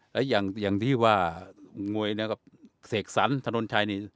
และอย่างที่ว่ามวยนะครับเสกสรรถนนชัยนี่